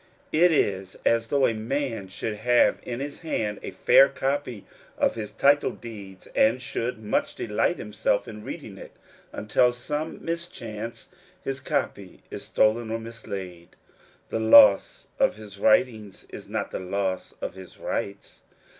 It is as though a man should have in his hand a fair copy of his title deeds, and should much delight himself in reading it until by some mischance his copy is stolen or mislaid. The loss of his writings is not the loss of his rights.